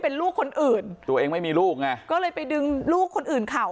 เป็นลูกคนอื่นตัวเองไม่มีลูกไงก็เลยไปดึงลูกคนอื่นเขา